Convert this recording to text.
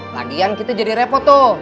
lagian kita jadi repot tuh